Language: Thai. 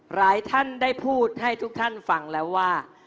หลายท่านได้พูดให้ทุกท่านฟังแล้วว่า